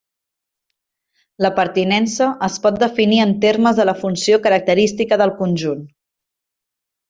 La pertinença es pot definir en termes de la funció característica del conjunt.